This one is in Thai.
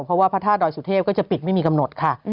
เพราะว่าพระธาตุดอยสุเทพก็จะปิดไม่มีกำหนดค่ะ